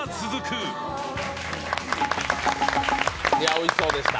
おいしそうでした。